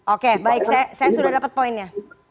oke baik saya sudah dapat poinnya